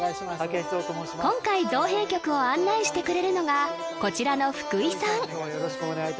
今回造幣局を案内してくれるのがこちらの福井さん